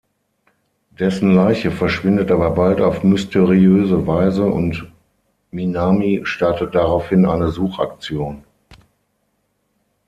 Dessen Leiche verschwindet aber bald auf mysteriöse Weise und Minami startet daraufhin eine Suchaktion.